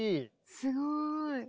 すごい。